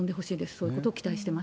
そういうことを期待してます。